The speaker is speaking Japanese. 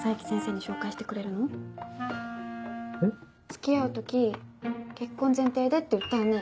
付き合う時結婚前提でって言ったよね。